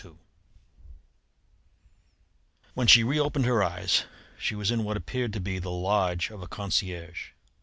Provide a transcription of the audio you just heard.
II When she reopened her eyes she was in what appeared to be the lodge of a concierge.